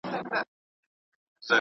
هغه ډاکټره چي دلته دی، اوږده پاڼه ړنګوي.